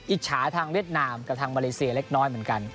อิจฉาทางเวียดนามกับทางมาเลเซียเล็กน้อยเหมือนกัน